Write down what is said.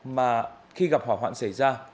mà khi gặp hỏa hoạn xảy ra